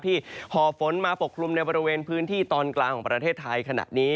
ห่อฝนมาปกคลุมในบริเวณพื้นที่ตอนกลางของประเทศไทยขณะนี้